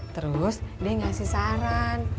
terus dia ngasih saran